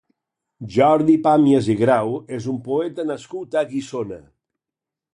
Jordi Pàmias i Grau és un poeta nascut a Guissona.